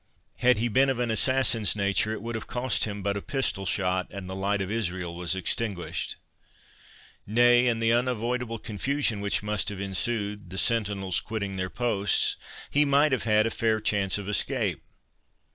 Had he been of an assassin's nature, it would have cost him but a pistol shot, and the light of Israel was extinguished. Nay, in the unavoidable confusion which must have ensued, the sentinels quitting their posts, he might have had a fair chance of escape."